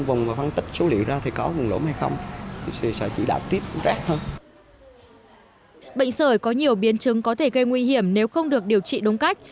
bệnh sởi có nhiều biến chứng có thể gây nguy hiểm nếu không được điều trị đúng cách